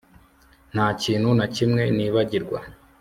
Nta kintu na kimwe nibagirwa